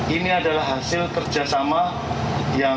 ini adalah hasil kerjasama yang